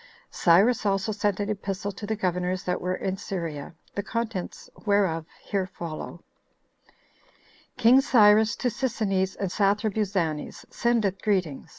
Cyrus also sent an epistle to the governors that were in Syria, the contents whereof here follow: "King Cyrus To Sisinnes And Sathrabuzanes Sendeth Greeting.